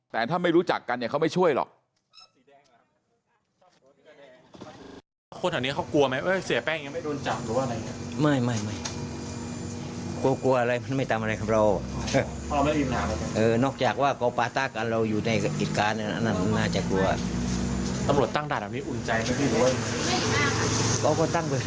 แต่ถ้าไม่รู้จักกันเนี่ยเขาไม่ช่วยหรอก